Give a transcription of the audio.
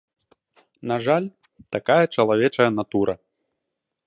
На жаль, такая чалавечая натура.